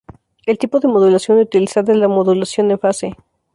El tipo de modulación utilizada es la modulación en fase.